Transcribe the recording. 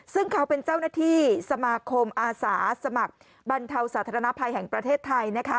ซึ่งเขาเป็นเจ้าหน้าที่สมาคมอาสาสมัครบรรเทาสาธารณภัยแห่งประเทศไทยนะคะ